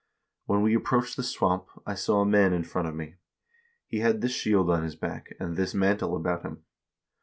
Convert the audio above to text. When we ap proached the swamp, I saw a man in front of me ; he had this shield on his back, and this mantle about him.